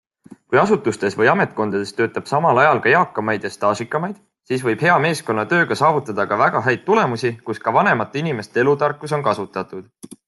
Kui asutustes või ametkondades töötab samal ajal ka eakamaid ja staažikamaid, siis võib hea meeskonnatööga saavutada ka väga häid tulemusi, kus ka vanemate inimeste elutarkus on kasutatud!